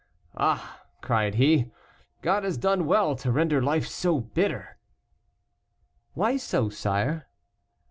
"Ah!" cried he, "God has done well to render life so bitter." "Why so, sire?"